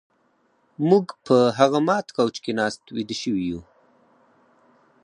موږ په هغه مات کوچ کې ناست ویده شوي وو